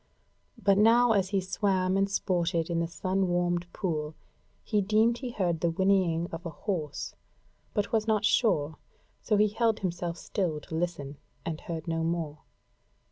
But now, as he swam and sported in the sun warmed pool he deemed he heard the whinnying of a horse, but was not sure, so he held himself still to listen, and heard no more.